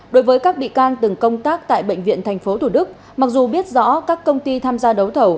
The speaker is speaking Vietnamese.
đối với các bị can từng công tác tại bệnh viện tp thủ đức mặc dù biết rõ các công ty tham gia đấu thầu